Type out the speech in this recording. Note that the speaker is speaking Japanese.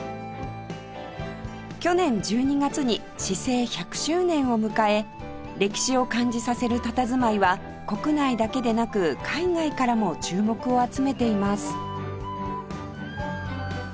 去年１２月に市制１００周年を迎え歴史を感じさせるたたずまいは国内だけでなく海外からも注目を集めています